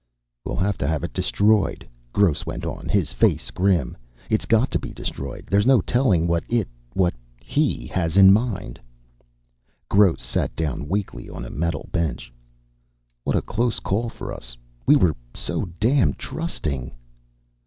"We'll have to have it destroyed," Gross went on, his face grim. "It's got to be destroyed. There's no telling what it what he has in mind." Gross sat down weakly on a metal bench. "What a close call for us. We were so damn trusting."